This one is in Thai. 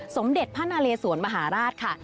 สมเด็จพระนาเลสวนมหาราชค่ะ